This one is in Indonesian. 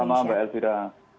sama sama mbak elvira